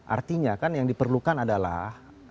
artinya kan yang diperlukan adalah